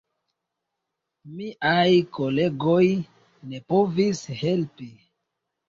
Miaj kolegoj ne povis helpi.